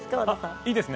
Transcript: いいですね